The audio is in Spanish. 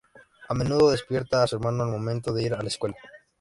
A menudo despierta a su hermano al momento de ir a la escuela.